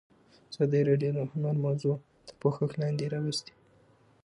ازادي راډیو د هنر موضوع تر پوښښ لاندې راوستې.